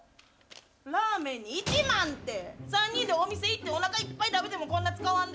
ラーメンに１万って、３人でお店行って、おなかいっぱい食べてもこんなに使わんで。